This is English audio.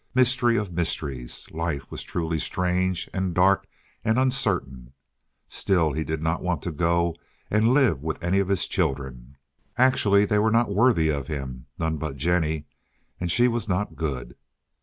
Mystery of mysteries. Life was truly strange, and dark, and uncertain. Still he did not want to go and live with any of his children. Actually they were not worthy of him—none but Jennie, and she was not good.